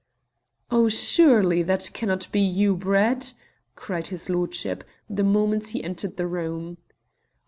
"Oh, surely that cannot be you, Brett!" cried his lordship, the moment he entered the room.